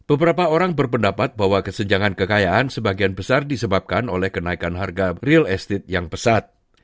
beberapa orang berpendapat bahwa kesenjangan kekayaan sebagian besar disebabkan oleh kenaikan harga real estate yang pesat